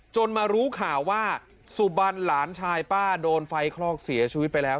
มารู้ข่าวว่าสุบันหลานชายป้าโดนไฟคลอกเสียชีวิตไปแล้ว